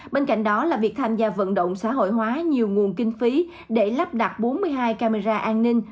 bên cạnh đó là việc tham gia vận động xã hội hóa nhiều nguồn kinh phí để lắp đặt bốn mươi hai camera an ninh